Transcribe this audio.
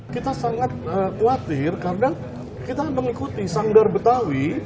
kita sangat khawatir karena kita mengikuti sanggar betawi